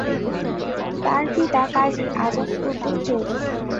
তার পিতা কাজী আজাদ উদ্দিন চৌধুরী।